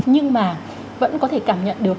nhưng mà vẫn có thể cảm nhận được